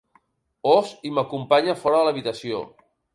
Ós i m'acompanya fora de l'habitació.